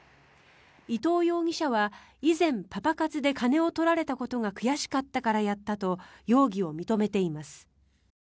伊藤容疑者は以前パパ活で金を取られたことが悔しかったからやったと容疑を認めています。